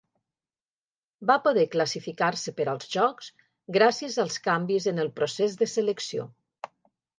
Va poder classificar-se per als Jocs gràcies als canvis en el procés de selecció.